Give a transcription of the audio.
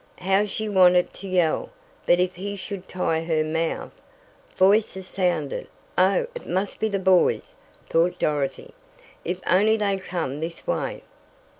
How she wanted to yell! But if he should tie her mouth! Voices sounded! "Oh, it must be the boys," thought Dorothy. "If only they come this way!"